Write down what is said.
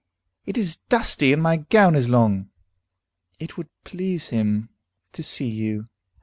It is dusty, and my gown is long." "It would please him to see you.